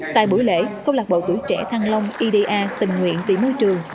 tại buổi lễ công lạc bộ tử trẻ thăng long ida tình nguyện tỷ môi trường